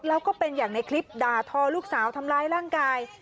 แล้วก็เป็นอย่างในคลิปด่าทอลูกสาวทำร้ายร่างกาย